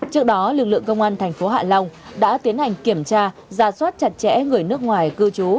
trước đó lực lượng công an thành phố hạ long đã tiến hành kiểm tra ra soát chặt chẽ người nước ngoài cư trú